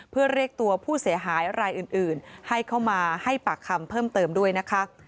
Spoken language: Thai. เพื่อเรียกตัวผู้เสียหายรายอื่นให้เข้ามาให้ปากคำเพิ่มเติมด้วยนะคะ